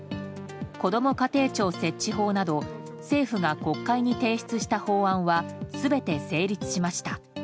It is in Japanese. こども家庭庁設置法など政府が国会に提出した法案は全て成立しました。